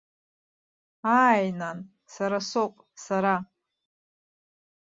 Ааи, нан, сара соуп, сара!